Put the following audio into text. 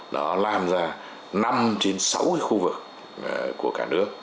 nó làm ra năm sáu khu vực của cả nước